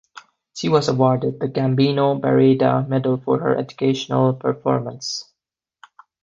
She was awarded the Gabino Barreda medal for her educational performance.